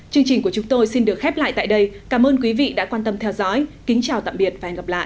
chương trình của chúng tôi xin được khép lại tại đây cảm ơn quý vị đã quan tâm theo dõi kính chào tạm biệt và hẹn gặp lại